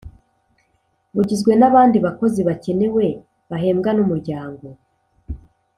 bugizwe n’abandi bakozi bakenewe bahembwa n‘Umuryango.